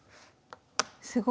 すごい。